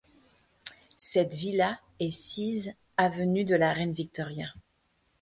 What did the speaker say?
Cette villa est sise avenue de la Reine-Victoria.